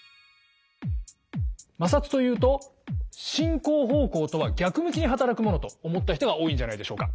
摩擦というと進行方向とは逆向きに働くものと思った人が多いんじゃないでしょうか。